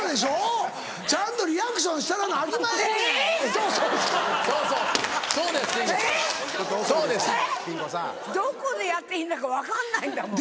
どこでやっていいんだか分かんないんだもん。